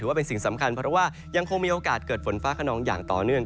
ว่าเป็นสิ่งสำคัญเพราะว่ายังคงมีโอกาสเกิดฝนฟ้าขนองอย่างต่อเนื่อง